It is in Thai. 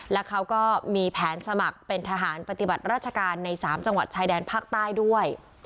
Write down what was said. และเขาก็มีแผนสมัครเป็นทหารปฏิบัติราชการใน๓จังหวัดชายแดนภาคใต้ด้วย